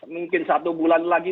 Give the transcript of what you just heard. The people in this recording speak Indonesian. mungkin satu bulan lagi